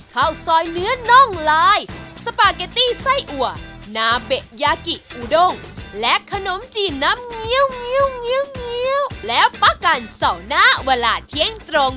ข้าวซอยเนื้อน้องลาย